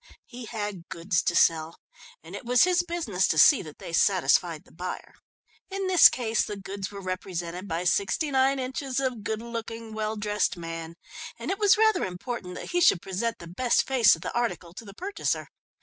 He had goods to sell, and it was his business to see that they satisfied the buyer. In this case the goods were represented by sixty nine inches of good looking, well dressed man, and it was rather important that he should present the best face of the article to the purchaser.